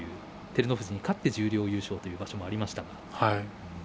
千代鳳が照ノ富士に勝って十両優勝という場所がありました。